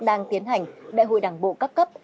đang tiến hành đại hội đảng bộ cấp cấp